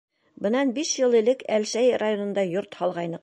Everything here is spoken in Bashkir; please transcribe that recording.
— Бынан биш йыл элек Әлшәй районында йорт һалғайныҡ.